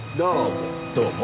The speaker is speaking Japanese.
どうも。